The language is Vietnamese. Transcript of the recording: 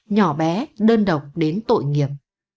nhỏ bé đơn độc đến tội nghiệp